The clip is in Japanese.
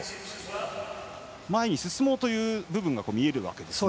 前に進もうという部分が見えるわけですね。